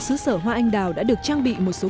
xứ sở hoa anh đào đã được trang bị một số